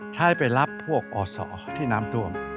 ใช้ไปรับพวกอศที่น้ำท่วม